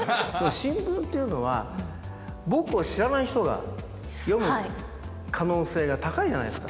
新聞っていうのは、僕を知らない人が読む可能性が高いじゃないですか。